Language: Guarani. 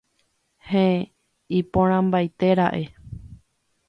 Heẽ... iporãmbaite ra'e.